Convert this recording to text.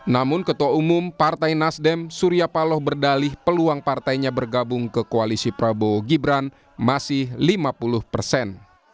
namun ketua umum partai nasdem surya paloh berdalih peluang partainya bergabung ke koalisi prabowo gibran masih lima puluh persen